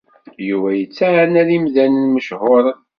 Yuba yettɛanad imdanen mechuṛen.